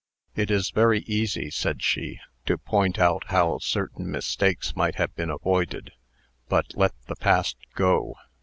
"It is very easy," said she, "to point out how certain mistakes might have been avoided. But let the past go.